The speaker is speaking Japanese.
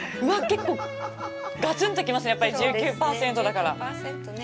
結構がつんと来ますねやっぱり１９％だから。